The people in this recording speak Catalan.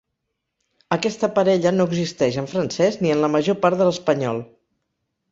Aquesta parella no existeix en francès ni en la major part de l'espanyol.